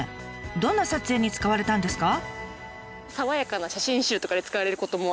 どんな撮影に使われたんですか？